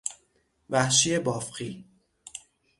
وحشی بافقی